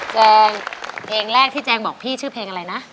แจงเพลงแรกที่แจงบอกพี่ชื่อเพลงอะไรนะ